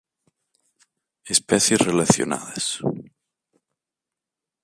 Especies relacionadas